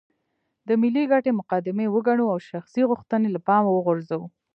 د ملي ګټې مقدمې وګڼو او شخصي غوښتنې له پامه وغورځوو.